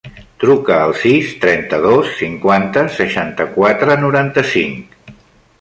Truca al sis, trenta-dos, cinquanta, seixanta-quatre, noranta-cinc.